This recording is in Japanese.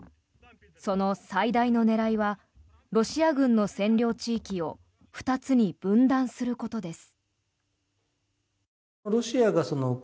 その最大の狙いはロシア軍の占領地域を２つに分断することです。